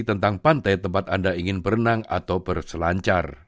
tentang pantai tempat anda ingin berenang atau berselancar